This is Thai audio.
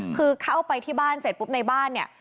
คือเข้าไปที่บ้านเสร็จปุ๊บในบ้านเนี่ย